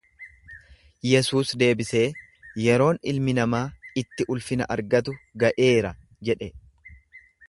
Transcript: Yesuus deebisee, Yeroon Ilmi Namaa itti ulfina argatu ga’eera jedhe.